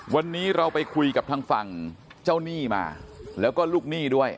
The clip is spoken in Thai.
วันนี้เราไปคุยกับทางฝั่งเจ้าหนี้มาแล้วก็ลูกหนี้ด้วย